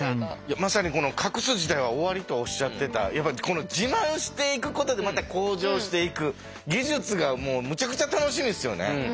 まさにこの「隠す時代は終わり」とおっしゃってたこの自慢していくことでまた向上していく技術がもうむちゃくちゃ楽しみですよね。